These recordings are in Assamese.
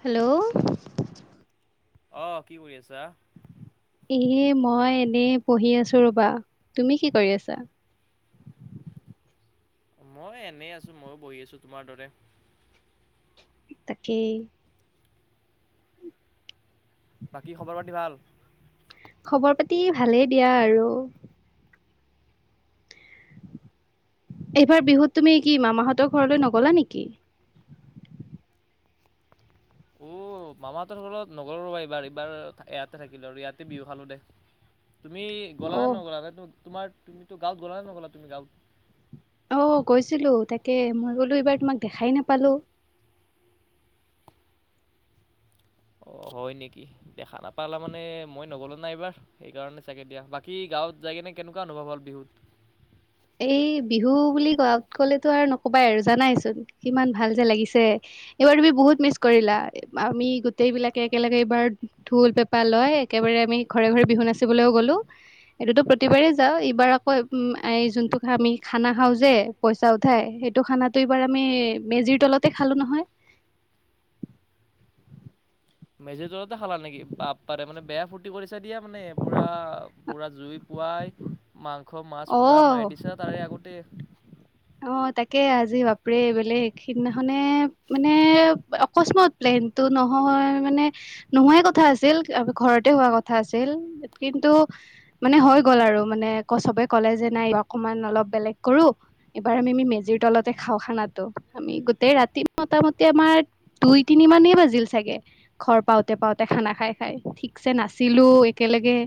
হেল্ল'। অ', কি কৰি আছা? এ মই এনে পঢ়ি আছো ৰবা, তুমি কি কৰি আছা? মই এনেই আছো মইয়ো বহি আছো, তোমাৰ দৰে। তাকে। বাকী খবৰ পাতি ভাল? খবৰ পাতি ভালেই দিয়া আৰু। এইবাৰ বিহুত তুমি কি মামাহঁতৰ ঘৰলৈ নগলা নেকি? অ', মামাহঁতৰ ঘৰত নগ'লো ৰ'বা এইবাৰ, এইবাৰ ইয়াতে থাকিলো আৰু ইয়াতে বিহু খালো। [inaudible] তুমি গ'লা নে অ'। নগলা? ত' তোমাৰ তুমিতো গাঁৱত গ'লা নে নগ'লা তুমি গাঁৱত? অ', গৈছিলো তাকে মই বোলো এইবাৰ তোমাক দেখাই নাপালো। অ', হয় নেকি? দেখা নাপালা মানে মই নগলো নাই এইবাৰ। সেইকাৰণে চাগে দিয়া। বাকী গাঁৱত যায় কিনে কেনেকুৱা অনুভৱ হ'ল বিহুত? এই বিহু বুলি কাত কলেতো আৰু নকবাই আৰু জানাইচোন কিমান ভাল যে লাগিছে। এইবাৰ তুমি বহুত মিচ কৰিলা, আমি গোটেই বিলাকে একেলগে এইবাৰ ঢোল, পেঁপা লয় একেবাৰে আমি ঘৰে-ঘৰে বিহু নাচিবলৈও গ'লো। এইটোতো প্ৰতিবাৰেই যাওঁ এইবাৰ আকৌ উম আয় যোন আমি খানা খাও যে, পইচা উঠাই সেইটো খানাটো এইবাৰ আমি মেজিৰ তলতে খালো নহয়। মেজিৰ তলতে খালা নেকি বাপ পা ৰে মানে বেয়া ফূৰ্তি কৰিছা দিয়া মানে পুৰা- পুৰা জুই পুৱাই, মাংস মাছ অ পুৰা মাৰি দিছা তাৰে আগতে। অ', তাকে আজি বাপৰে বেলেগ সিদিনাখনে মানে অকস্মত প্লেনতটো নহয় মানে, নোহোৱাই কথা আছিল ঘৰতে হোৱা কথা আ আছিল, কিন্তু মানে হৈ গ'ল আৰু মানে ক সবে ক'লে যে নাই অকণমান অলপ বেলেগ কৰো। এইবাৰ আমি- আমি মেজিৰ তলতে খাওঁ খানাটো, আমি গোটেই ৰাতি মোটা মোটি আমাৰ দুই তিনি মানেই বাজিল চাগে। ঘৰ পাওঁতে-পাওঁতে খানা খাই-খাই ঠিকছে নাছিলো একেলগে।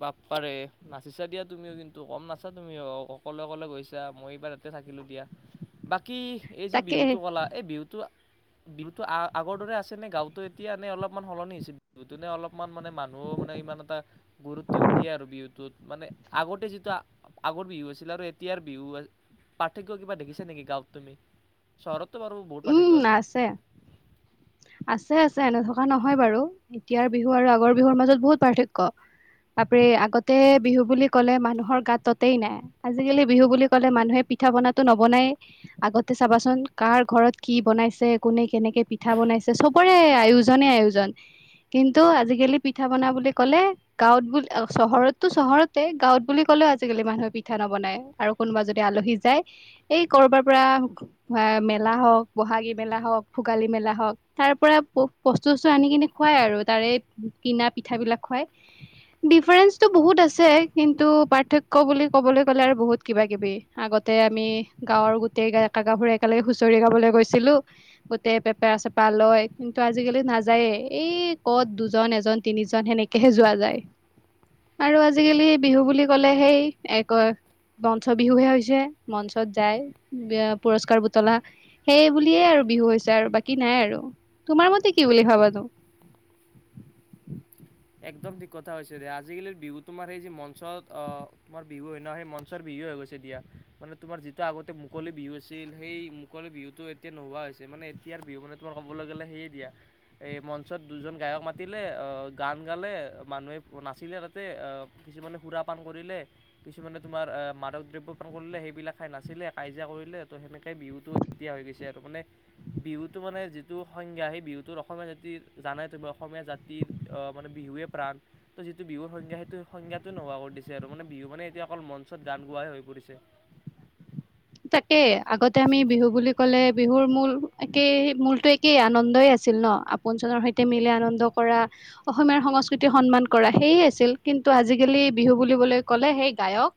বাপ পা ৰে নাচিছা দিয়া তুমিও কিন্তু কম নাচা তুমি অকলে-অকলে গৈছা মই এইবাৰ তে থাকিলোঁ দিয়া। বাকী এই যি তাকে বিহুটো ক'লা এই বিহুটো বিহুতো আ-আগৰ দৰে আছে নে গাঁৱতো এতিয়া নে অলপমান সলনি হৈছে? দুদিনে অলপমান মানে মানুহো মানে ইমান এটা গুৰুত্ব নিদিয়ে আৰু বিহুটোত মানে আগতে যিটো আগৰ বিহু আছিলে আৰু এতিয়াৰ বিহু পাৰ্থক্য কিবা দেখিছে নেকি গাঁৱত তুমি? চহৰত তো বাৰু বহুত পাৰ্থক্য আছে। আছে-আছে এনে নথকা নহয় বাৰু, এতিয়াৰ বিহু আৰু আগৰ বিহুৰ মাজত বহুত পাৰ্থক্য। বাপৰে আগতে বিহু বুলি কলে মানুহৰ গাত ততেই নাই। আজি-কালি বিহু বুলি ক'লে মানুহে পিঠা বনাতো নবনায়। আগতে চাবাচোন কাৰ ঘৰত কি বনাইছে কোনে কেনেকে পি পিঠা বনাইছে চবৰে আয়োজনে-আয়োজন, কিন্তু আজি-কালি পিঠা বনা বুলি ক'লে। গাঁৱত বু চহৰতটো চহৰতে, গাঁৱত বুলি ক'লেও আজিকালি মানুহে পিঠা নবনায়। আৰু কোনোবা যদি আলহী যায়, এই কৰবাৰ পৰা মেলা হওক, বহাগী মেলা হওক, ভোগালী মেলা, হক তাৰ পৰা প প বস্তু চস্তু আনি কিনে খুৱাই আৰু তাৰে কিনা পিঠা বিলাক খুৱায়। ডিফাৰেঞ্চটো বহুত আছে, কিন্তু পাৰ্থক্য বুলি ক'বলৈ গ'লে আৰু বহুত কিবা কিবি। আগতে আমি গাঁৱৰ গোটেই ডেকা গাভোৰু একেলগে হুঁচৰি গাবলে গৈছিলো। গোটেই পে পেয়া চেপা লয়। কিন্তু আজিকালি নাযায়ে, এই ক'ত দুজন এজন তিনিজন সেনে সে জোৱা যায় আৰু আজিকালি বিহু বুলি কলে, সেই এক মঞ্চ বিহুহে হৈছে। মঞ্চত যায়, পুৰস্কাৰ বুতলা। সেই বুলিয়ে আৰু বিহু হৈছে আৰু বাকী নাই আৰু। তোমাৰ মতে কি বুলি ভাবানো? একদম ঠিক কথা হৈছে দে। আজিকালিৰ বিহুটো মাৰি যি মঞ্চত অ তোমাৰ বিহু হয় ন। সেই ম [unintelligible] বিহু হৈ গৈছে দিয়া। মানে তোমাৰ যিটো আগতে মুকলি বিহু আছিল। সেই মুকলি বিহুটো এত এতিয়া নোহোৱা হৈছে। মানে এতিয়াৰ বিহু মানে তোমাৰ ক'বলে গ'লে সেয়ে দিয়া। এ মঞ্চত দুজন গায়ক মাতিলে। অ গান গালে, মানুহে নাচিলে তাতে, আ কিছুমানে সুৰাপান কৰিলে। কিছুমানে তোমাৰ আহ মাদক দ্ৰব্য পান কৰিলে। সেইবিলাক খাই নাছিলে, কাজিয়া কৰিলে, ত সেনেকে বিহুটো এতিয়া হৈ গৈছে আৰু মানে, বিহুটো মানে যিটো সংজ্ঞা। সেই বিহুটোত অসমীয়া জাতিৰ জানাই তুমি অসমীয়া জাতিৰ অ, মানে বিহুৱে প্ৰাণ। তো যিটো বিহুৰ সংজ্ঞা, সেইটো সংজ্ঞাটোৱে নোহোৱা কৰি দিছে আৰু মানে বিহু মানে এতিয়া অকল মঞ্চত গান গোৱাহে হৈ পৰিছে। তাকে, আগতে আমি বিহু বুলি ক'লে বিহুৰ মূল একেই মূলতো একেই আনন্দই আছিল ন। [unintelligible] সৈতে মিলি আনন্দ কৰা। অসমীয়াৰ সংস্কৃতি সন্মান কৰা। সেইয়ে আছিল। কিন্তু আজিকালি বিহু বুল বুলি বলে কলে সেই গায়ক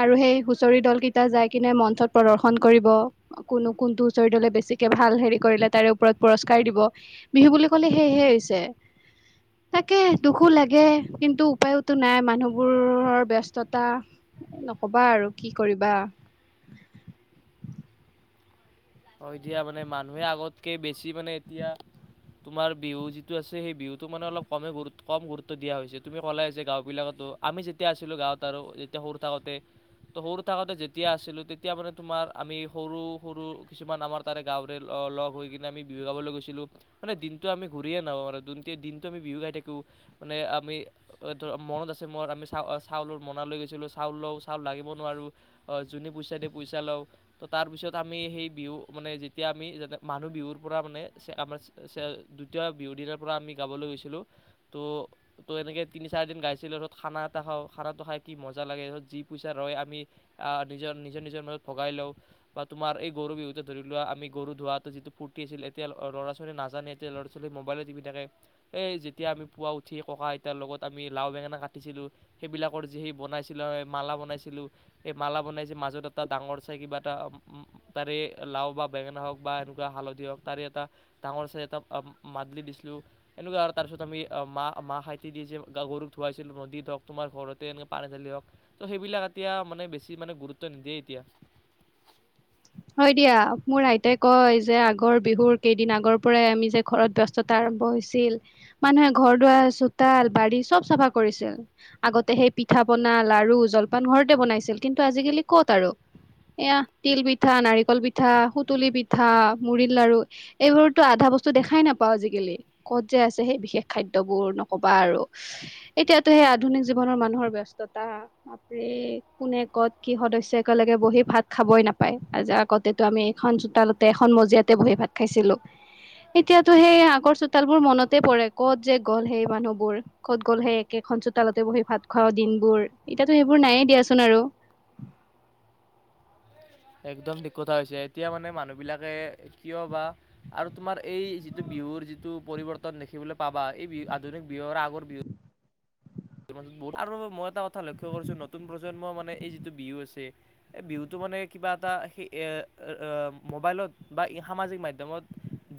আৰু সেই হুচৰি ডল কেইটা যাই কেনে ম ত প্ৰদৰ্শন কৰিব। কোনো কোনটো হুচৰি দলে বেছিকে ভাল হেৰি কৰিলে তাৰে ওপৰত পুৰস্কাৰ দিব। বিহু বুলি কলে সেইহে হৈছে। তাকে দুখো লাগে, কিন্তু উপায়োতো নাই মানুহবোৰৰ ব্যস্ততা। এ নকবা আৰু, কি কৰিবা? হয় দিয়া। মানে মানুহে আগতকে বেছি মানে এতিয়া তোমাৰ বিহু যিটো আছে। সেই বিহুটো মানে অলপ কমে গুৰুত কম গুৰুত্ব দিয়া হৈছে। তুমি ক'লাই যে গাঁও বিলাকতো আমি যেতিয়া আছিলো গাঁৱত আৰু যেতিয়া সৰু থাকোতে। ত' সৰু থাকোতে যেতিয়া আছিলো, তেতিয়া মানে তোমাৰ আমি সৰু সৰু কিছুমান আমাৰ তাৰে গাঁৱৰে ল লগ হৈ কিনে আমি বিহু গাবলৈ গৈছিলোঁ। মানে দিনটো আমি ঘূৰিয়ে নাহো আৰু দুনটি দিনটো আমি বিহু গাই থাকো। মানে আমি [unintelligible] মনত আছে মোৰ। আমি চা চাউলৰ মোনালৈ গৈছিলো। চাউল লও, চাউল ডাঙিব নোৱাৰো। অ, যোনে পইচা দিয়ে পইচা লওঁ। ত' তাৰপিছত আমি সেই বিহু মানে যেতিয়া আমি যাতে মানুহ বিহুৰ পৰা মানে আমাৰ দ্বিতীয় বিহুৰ দিনা পুৰা আমি গাবলৈ গৈছিলোঁ। ত' ত' এনেকে তিনি চাৰি দিন গাইছিলো। তাৰপিছত খানা এটা খাওঁ। খানাটো খাই কি মজা লাগে। তাৰপিছত যি পইচা ৰয়, আমি আ নিজৰ নিজৰ নিজৰ মাজত ভগাই লও বা তোমাৰ এই গৰু বিহুতে ধৰি লোৱা, আমি গৰু ধোৱাওতে যিটো ফুৰ্তি আছিল। এতিয়া ল'ৰা ছোৱালী নাজানে। এতিয়া ল'ৰা ছোৱালীয়ে মবাইলে টিপি থাকে। এ যেতিয়া আমি পুৱা উঠি ককা, আইতা লগত আমি লাও, বেঙেনা কাটিছিলোঁ। সেইবিলাকৰ যি সেই বনাইছিলা হয়, মালা বনাইছিলো। এ মালা বনাই যে মাজত এটা ডাঙৰ চাই কিবা এটা তাৰে লাও বা বেঙেনা হওক বা এনেকুৱা হালধি হওক। তাৰে এটা ডাঙৰ চাই এটা মা মাদলি দিছিলো। সেনেকুৱ আৰু তাৰ পিছত আমি মা হাইতি দি গা গৰুক ধুৱাইছিলো নদীত হ‌ওক তোমাৰ ঘৰতে এনেকে পানী ঢালি হওক, ত' সেইবিলাক এতিয়া মানে বেছি মানে গুৰুত্ব নিদিয়ে এতিয়া। হয় দিয়া, মোৰ আইতাই কয় যে আগৰ বিহুৰ কেইদিন আগৰ পৰাই আমি যে ঘৰত ব্যস্ততা আৰম্ভ হৈছিল মানুহে ঘৰ দুৱাৰ চোতাল বাৰী চব চাফা কৰিছিল। আগতে সেই পিঠা পনা লাৰু জলপান ঘৰতে বনাইছিল, কিন্তু আজিকালি ক'ত আৰু, এয়া তিল পিঠা নাৰিকল পিঠা সুতুলি পিঠা মুৰি লাৰু এইবোৰতো আধা বস্তু দেখাই নাপাওঁ আজিকালি। ক'ত যে আছে সেই বিশেষ খাদ্যবোৰ নকবা আৰু। এতিয়াতো সেই আধুনিক জীৱনৰ মানুহৰ ব্যস্ততা। বাপৰে কোনে ক'ত কি সদস্য একেলগে বহি ভাত খাবই না পায়, আজি আগতেতো আমি এখন চোতালতে এখন মজিয়াতে বহি ভাত খাইছিলো। এতিয়াতো সেই আগৰ চোতালবোৰ মনতে পৰে ক'ত যে গ'ল সেই মানুহবোৰ! ক'ত গ'ল সেই একেখন চোতালতে বহি ভাত খোৱাও দিন বোৰ, এতিয়াতো সেইবোৰ নায়েই দিয়াচোন আৰু। একদম ঠিক কথা কৈছে, এতিয়া মানে মানুহ বিলাকে কিয় বা আৰু তোমাৰ এই যিটো বিহুৰ যিটো পৰিৱৰ্তন দেখিবলে পাবা, এই বি আধুনিক বিহু আৰু আগৰ বিহুৰ [unintelligible] আৰু মই এটা কথা লক্ষ্য কৰিছো নতুন প্ৰজন্মৰ মানে এই যিটো বিহু আছে, এই বিহুটো মানে কিবা এটা সেই এ মোবাইলত বা সামাজিক মাধ্যমত,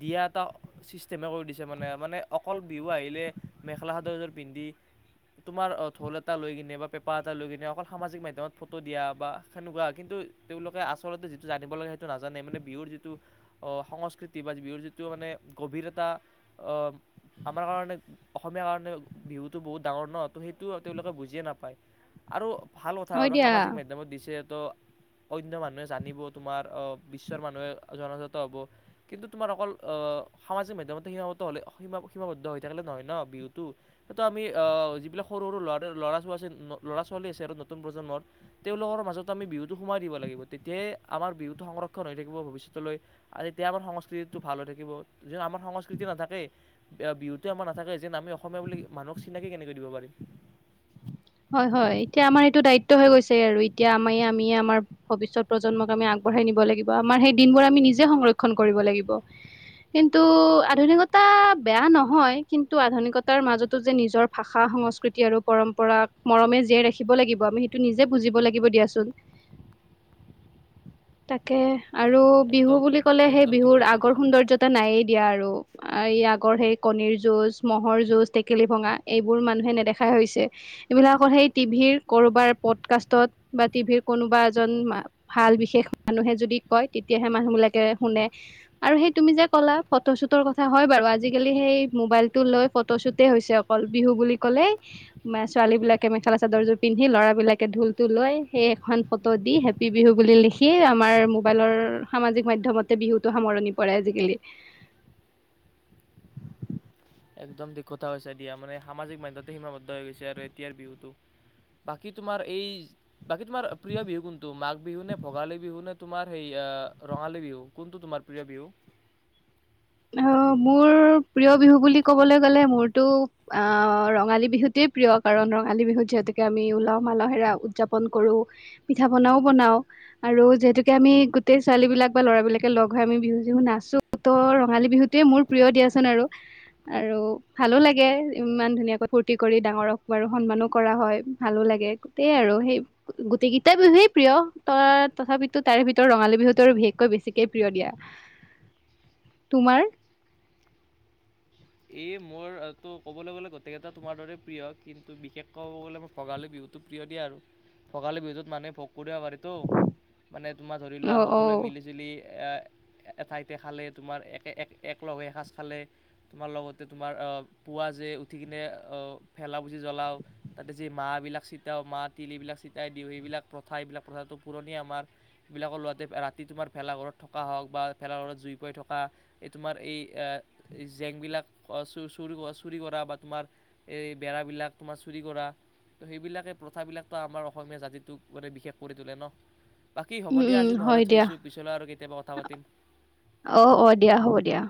দিয়া এটা ছিষ্টেমে কৰি দিছে মানে, মানে অকল বিহু আহিলে মেখেলা চাদৰ এযোৰ পিন্ধি তোমাৰ ঢোল এটা লৈ কিনে বা পেঁপা এটা লৈ কিনে অকল সামাজিক মাধ্যমত ফটো দিয়া বা সেনেকুৱা, কিন্তু তেওঁলোকে আচলতে যিটো জানিব লাগে সেইটো নাজানে, মানে বিহুৰ যিটো সংস্কৃতি বা বিহুৰ যিটো মানে গভীৰতা অ আমাৰ কাৰণে অসমীয়াৰ কাৰণে বিহুটো বহুত ডাঙৰ ন। ত' সেইটো তেওঁলোকে বুজিয়ে নাপায়, আৰু ভাল কথা হয় আৰু দিয়া সামাজিক মাধ্যমত দিছে ত অন্য মানুহে জানিব তোমাৰ আহ বিশ্বৰ মানুহে জনাজাত হব, কিন্তু তোমাৰ অকল সামাজিক মাধ্যমতে সীমাবদ্ধ হ'লে সীমা সীমাবদ্ধ হৈ থাকিলে নহয় ন বিহুটো। সেইটো আমি আহ যিবিলাক সৰু সৰু ল'ৰা ল'ৰা ছ ল'ৰা ছোৱালী আছে আৰু নতুন প্ৰজন্মৰ, তেওঁলোকৰ মাজত আমি বিহুটো সুমুৱাই দিব লাগিব তেতিয়াই আমাৰ বিহুটো সংৰক্ষণ হৈ থাকিব ভৱিষ্যতলৈ, আৰে তেতিয়া আমাৰ সংস্কৃতিটো ভাল হৈ থাকিব যদি আমাৰ সংস্কৃতি নাথাকেই, বিহুতো আমাৰ নাথাকে যেন আমি অসমীয়া বুলি মানুহক চিনাকি কেনেকৈ দিব পাৰিম। হয় হয়, এতিয়া আমাৰ এইটো দায়িত্ব হৈ গৈছে আৰু, এতিয়া আমি, আমি, আমাৰ ভৱিষ্যত প্ৰজন্মক আমি আগবঢ়াই নিব লাগিব। আমাৰ সেই দিনবোৰ আমি নিজে সংৰক্ষণ কৰিব লাগিব। কিন্তু আধুনিকতা বেয়া নহয়। কিন্তু আধুনিকতাৰ মাজতো যে নিজৰ ভাষা সংস্কৃতি আৰু পৰম্পৰাক, মৰমে জীয়াই ৰাখিব লাগিব। আমি সেইটো নিজে বুজিব লাগিব দিয়াচোন। তাকে আৰু বিহু একদম বুলি ক'লে, সেই একদম ঠিক বিহুৰ কৈছা আগৰ দিয়া সৌন্দৰ্যতা নাইয়েই দিয়া আৰু। এই আগৰ সেই কণীৰ যুঁজ মহ'ৰ যুজ, টেকেলি ভঙা এইবোৰ মানুহে নেদেখাই হৈছে। এইবিলাক অকল সেই টিভিৰ কৰবাৰ প্ৰটকাষ্টত বা টিভিৰ কোনোবা এজন মা ভাল বিশেষ মানুহে যদি কয়, তেতিয়াহে মানুহবিলাকে শুনে। আৰু সেই তুমি যে ক'লা ফটোশ্বুটৰ কথা, হয় বাৰু আজিকালি সেই মোবাইল টো লৈ ফটোশ্বুটেই হৈছে অ কল, বিহু বুলি ক'লে ছোৱালী বিলাকে মেখেলা চাদৰযোৰ পিন্ধি ল'ৰা বিলাকে ঢোলটো লৈ সেই এখন ফটো দি হে প্পী বিহু বুলি লিখি আমাৰ মোবাইলৰ সামাজিক মাধ্যমতে বিহুতো সামৰণি পৰে আজিকালি। একদম ঠিক কথা কৈছা, দিয়া মানে সামাজিক মাধ্যমতে সীমাবদ্ধ হৈ গৈছে আৰু এতিয়াৰ বিহুটো। বাকী তোমাৰ এই বাকী তোমাৰ প্ৰিয় বিহু কোনটো, মাঘ বিহু নে, ভোগালী বিহু নে, তোমাৰ সেই ৰঙালী বিহু কোনটো তোমাৰ প্ৰিয় বিহু? অঁ' মোৰ প্ৰিয় বিহু বুলি ক'বলৈ গ'লে মোৰতো আহ' ৰঙালী বিহুতেই প্ৰিয় কাৰণ ৰঙালী বিহুত যিহেতুকে আমি উলহ মালহেৰা উদযাপন কৰোঁ। পিঠা পনাও বনাও। আৰু যিহেতুকে আমি গোটেই ছোৱালী বিলাক বা ল'ৰা বিলাকে লগ হৈ আমি বিহু চিহু নাচো ত বিহুতিয়ে অ', মোৰ প্ৰিয় হ'ব দিয়াচোন হ'ব। আৰু। আৰু ভালো লাগে, ইমান ধুনীয়াকৈ ফূৰ্তি কৰি ডাঙৰক বাৰু সন্মানো কৰা হয়, ভালো লাগে। য়াই আৰু সেই গোটেইকেইটা বিহুুৱেই প্ৰিয় ত, তথাপিতো তাৰে ভিতৰত ৰঙালী বিহুতো বিশেষকৈ বেছিকে প্ৰিয় দিয়া। তোমাৰ? এই মোৰটো ক'বলৈ গ'লে গোটেইটা তোমাৰ দৰেই প্ৰিয় কিন্তু বিশেষকৈ ক'ব গ'লে মই ভগালী বিহু তো প্ৰিয় দিয়া আৰু ভোগালী বিহুতোত মানুহে ভোগ কৰিব পাৰি টো মানে তোমাৰ ধৰি লোৱা অ' অ' সকলোৱে মিলি জুলি এঠাইতে খালে, তোমাৰ একে, এক, একলগহৈ এসাঁজ খালে- তোমাৰ লগতে তোমাৰ পুৱা যে উঠি কেনে ভেলা পুচি জ্বলাওঁ। তাতে যি মাহ এইবিলাক চেতিয়াও মাহ, তিল এইবিলাক চেতিয়াই দিওঁ, এইবিলাক প্ৰথা এইবিলাক প্ৰথাটো পুৰণি আমাৰ। সেইবিলাকৰ ল'তে ৰাতি তোমাৰ ভেলাঘৰত থকা হওক বা ভেলাঘৰত জুই পাই থকা এই তোমাৰ এই আহ' জেংবিলাক চ, চ, চুৰি কৰা বা তোমাৰ এই বেৰাবিলাক তোমাৰ চুৰি কৰা। ত, সেইবিলাকে প্ৰথাবিলাকতো আমাৰ অসমীয়া জাতিটোক মানে বিশেষ কৰি তোলে ন'। বাকী হ'ব উম দিয়, উম আজি নহ'লে হয় দিয়া থৈছোঁ পিছলৈ আৰু কেতিয়াবা কথা পাতিম। অঁ' অঁ' দিয়া হ'ব দিয়া।